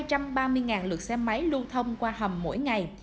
trong tháng một mươi một hai trăm ba mươi lượt xe máy lưu thông qua hầm mỗi ngày